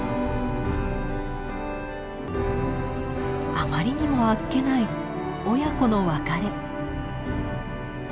あまりにもあっけない親子の別れ。